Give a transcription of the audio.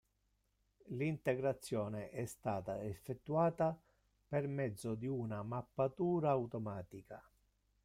L'integrazione è stata effettuata per mezzo di una mappatura automatica.